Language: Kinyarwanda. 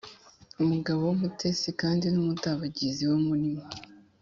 “umugabo w’umutesi kandi w’umudabagizi wo muri mwe,